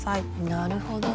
なるほど。